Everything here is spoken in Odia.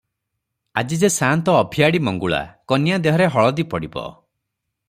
ଆଜି ଯେ ସାନ୍ତ ଅଭିଆଡ଼ି ମଙ୍ଗୁଳା, କନ୍ୟା ଦେହରେ ହଳଦୀ ପଡ଼ିବ ।